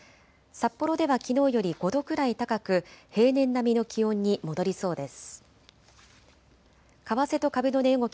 札幌ではきのうより５度くらい高く平年並みの気温に戻りそうです。